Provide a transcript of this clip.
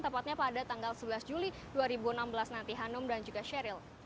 tepatnya pada tanggal sebelas juli dua ribu enam belas nanti hanum dan juga sheryl